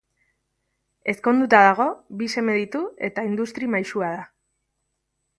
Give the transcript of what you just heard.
Ezkonduta dago, bi seme ditu eta industri maisua da.